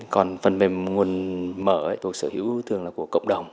còn phần mềm nguồn mở tôi sở hữu thường là của cộng đồng